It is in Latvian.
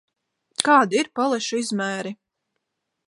Kādi ir palešu izmēri?